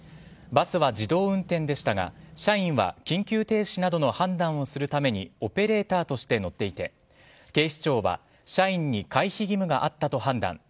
バスは自動運転でしたが社員は緊急停止などの判断をするためにオペレーターとして乗っていて警視庁は社員に回避義務があったと判断。